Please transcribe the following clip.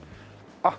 あっ。